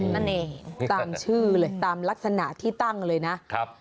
นั่นเองตามชื่อเลยตามลักษณะที่ตั้งเลยนะครับ